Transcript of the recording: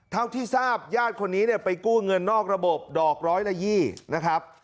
เท่าที่ทราบญาติคนนี้เนี่ยไปกู้เงินนอกระบบดอกร้อยละ๒๐นะครับ